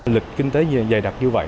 lịch kinh tế dày đặc như vậy